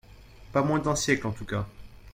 Pas moins d’un siècle, en tout cas